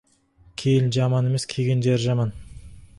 Келін жаман емес, келген жері жаман.